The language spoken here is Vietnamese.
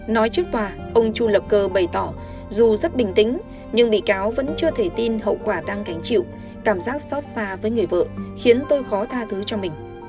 nói trước tòa ông chu lập cơ bày tỏ dù rất bình tĩnh nhưng bị cáo vẫn chưa thể tin hậu quả đang gánh chịu cảm giác xót xa với người vợ khiến tôi khó tha thứ cho mình